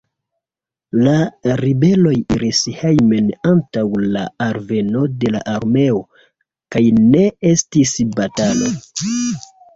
La ribeloj iris hejmen antaŭ la alveno de la armeo, kaj ne estis batalo.